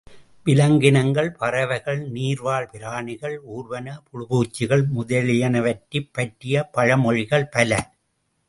விலங்கினங்கள், பறவைகள், நீர்வாழ் பிராணிகள், ஊர்வன, புழுபூச்சிகள் முதலியவற்றைப் பற்றிய பழமொழிகள் பல.